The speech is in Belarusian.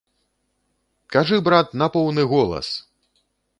Кажы, брат, на поўны голас!